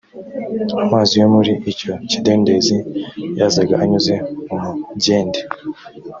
amazi yo muri icyo kidendezi yazaga anyuze mu mugende